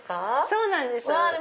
そうなんですよ。